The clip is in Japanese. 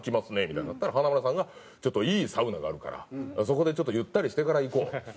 みたいになったら華丸さんがちょっといいサウナがあるからそこでちょっとゆったりしてから行こうと。